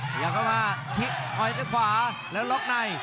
พยายามเข้ามาทิ้งปล่อยซ้ายขวาแล้วล็อกใน